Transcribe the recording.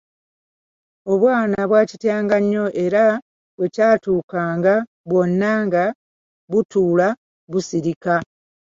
Obwana bwakityanga nnyo era bwekyatuukanga bwonna nga butuula busirika.